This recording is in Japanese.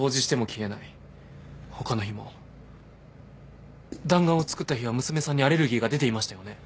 他の日も弾丸を作った日は娘さんにアレルギーが出ていましたよね？